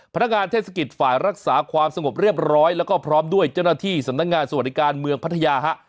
เทศกิจฝ่ายรักษาความสงบเรียบร้อยแล้วก็พร้อมด้วยเจ้าหน้าที่สำนักงานสวัสดิการเมืองพัทยาฮะ